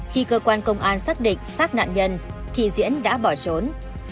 khi cơ quan công an xác định xác nạn nhân thì diễn đã bỏ trốn